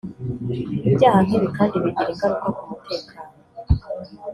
Ibyaha nk’ibi kandi bigira ingaruka ku mutekano